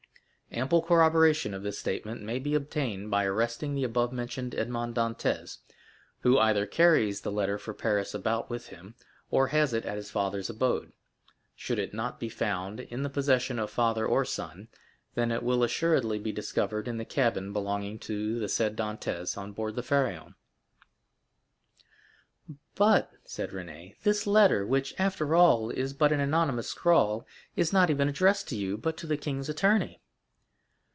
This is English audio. Ample corroboration of this statement may be obtained by arresting the above mentioned Edmond Dantès, who either carries the letter for Paris about with him, or has it at his father's abode. Should it not be found in the possession of father or son, then it will assuredly be discovered in the cabin belonging to the said Dantès on board the Pharaon.'" "But," said Renée, "this letter, which, after all, is but an anonymous scrawl, is not even addressed to you, but to the king's attorney."